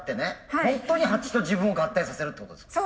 ホントに蜂と自分を合体させるってことですか？